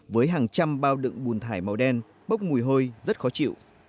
với hàng trăm bao đựng bùn thải màu đen bốc mùi hôi rất khó chịu